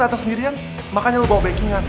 atas dirian makanya lo bawa backingan